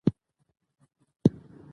غریب باید هېر نکړو.